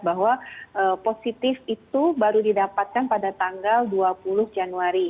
bahwa positif itu baru didapatkan pada tanggal dua puluh januari